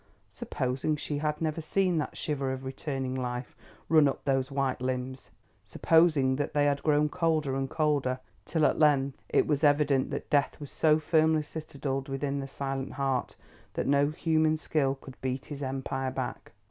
Supposing she had never seen that shiver of returning life run up those white limbs, supposing that they had grown colder and colder, till at length it was evident that death was so firmly citadelled within the silent heart, that no human skill could beat his empire back?